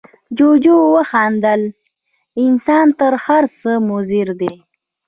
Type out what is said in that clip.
جوجو وخندل، انسان تر هر څه مضر دی.